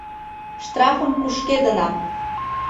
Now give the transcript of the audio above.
Штрафым кушкедынак